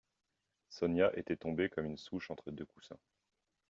Sonia était tombée comme une souche entre deux coussins.